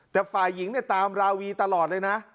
แต่ฝ่ายหญิงเนี่ยตามราวีตลอดเลยนะ